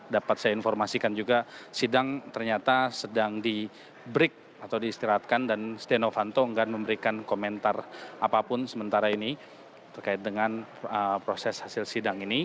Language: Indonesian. dapat saya informasikan juga sidang ternyata sedang di break atau diistirahatkan dan setia novanto enggak memberikan komentar apapun sementara ini terkait dengan proses hasil sidang ini